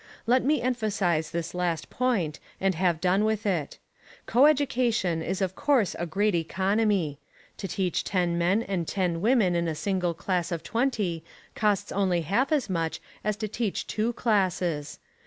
Let me emphasise this last point and have done with it. Coeducation is of course a great economy. To teach ten men and ten women in a single class of twenty costs only half as much as to teach two classes.